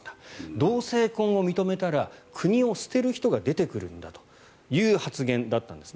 同性婚を認めたら国を捨てる人が出てくるんだという発言だったんですね。